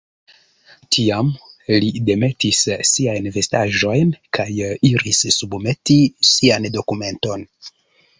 Tiam, li demetis siajn vestaĵojn kaj iris submeti sian dokumenton.